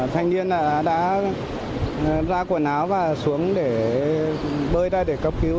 thành niên đã ra quần áo và xuống để bơi ra để cấp cứu